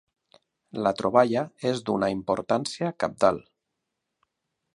La troballa és d'una importància cabdal.